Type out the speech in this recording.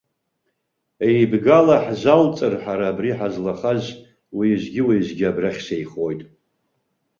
Еибгала ҳзалҵыр ҳара абри, ҳазлахаз, уеизгьы-уеизгьы абрахь сеихоит.